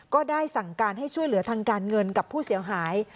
ก็ได้สั่งการให้ช่วยเหลือทางการเงินกับผู้เสียหาย